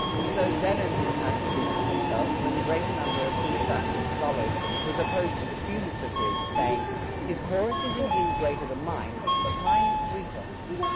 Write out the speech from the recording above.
So Zeno knew how to speak for himself, when the great number of Theophrastus's scholars was opposed to the fewness of his, saying, His chorus is indeed greater than mine, but mine is sweeter.